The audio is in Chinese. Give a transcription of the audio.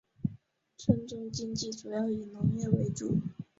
村中经济主要以农业为主。